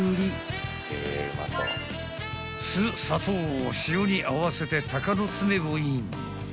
［酢砂糖を塩に合わせて鷹の爪をイン］